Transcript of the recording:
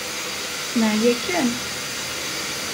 Neɛya kan.